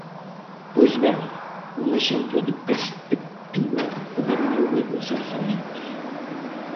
Pois ben, un exemplo de perspectiva podémolo ver nos orzamentos.